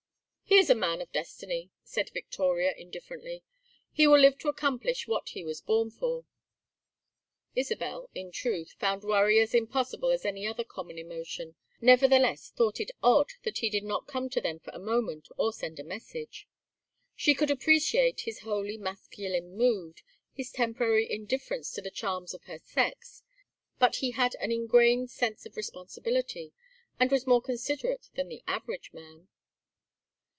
"He is a man of destiny," said Victoria indifferently. "He will live to accomplish what he was born for." Isabel, in truth, found worry as impossible as any other common emotion, nevertheless thought it odd that he did not come to them for a moment or send a message. She could appreciate his wholly masculine mood, his temporary indifference to the charms of her sex, but he had an ingrained sense of responsibility, and was more considerate than the average man.